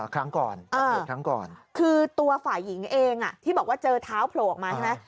ครั้งก่อนคือตัวฝ่ายหญิงเองที่บอกว่าเจอเท้าโผล่ออกมาใช่ไหม